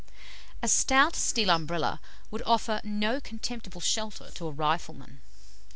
A stout steel Umbrella would offer no contemptible shelter to a rifleman.